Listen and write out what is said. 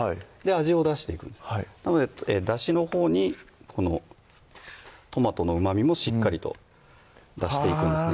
味を出していくんですねなのでだしのほうにこのトマトのうまみもしっかりと出していくんですね